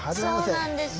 そうなんです。